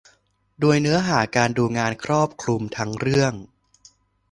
โดยเนื้อหาการดูงานครอบคลุมทั้งเรื่อง